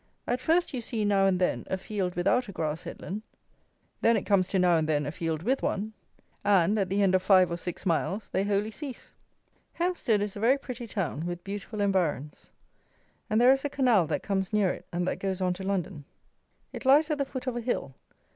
At first you see now and then a field without a grass headland; then it comes to now and then a field with one; and, at the end of five or six miles, they wholly cease. Hempstead is a very pretty town, with beautiful environs, and there is a canal that comes near it, and that goes on to London. It lies at the foot of a hill.